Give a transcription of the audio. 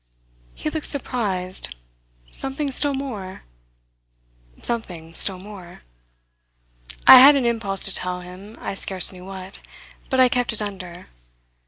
He looked surprised. "Something still more?" "Something still more." I had an impulse to tell him I scarce knew what. But I kept it under.